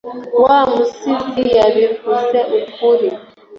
wa musizi yabivuze ukuri